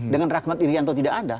dengan rahmat irianto tidak ada